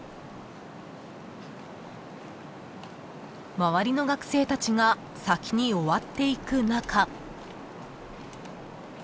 ［周りの学生たちが先に終わっていく中］